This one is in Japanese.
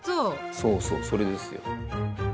そうそうそれですよ。